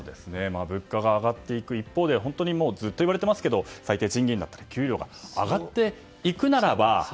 物価が上がっていく一方でずっと言われていますが最低賃金だったり給料が上がっていくならば。